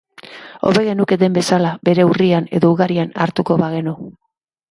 Hobe genuke den bezala, bere urrian edo ugarian, hartuko bagenu.